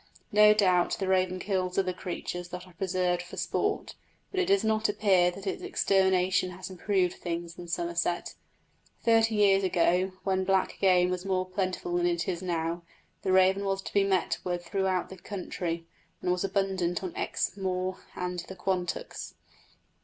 No doubt the raven kills other creatures that are preserved for sport, but it does not appear that its extermination has improved things in Somerset. Thirty years ago, when black game was more plentiful than it is now, the raven was to be met with throughout the county, and was abundant on Exmoor and the Quantocks.